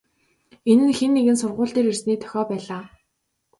Энэ нь хэн нэгэн сургууль дээр ирсний дохио байлаа.